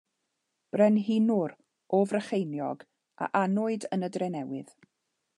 Brenhinwr o Frycheiniog a anwyd yn y Drenewydd.